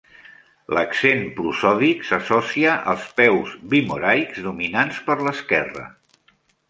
L'accent prosòdic s'associa als peus bimoraics dominants per l'esquerra.